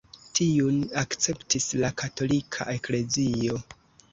Tiun akceptis la katolika eklezio.